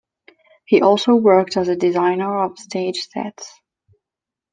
He also worked as a designer of stage sets.